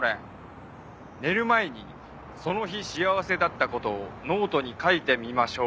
「寝る前にその日幸せだったことをノートに書いてみましょう」。